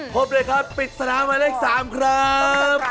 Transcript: พบเลยครับปิดสนามหมายเลข๓ครับ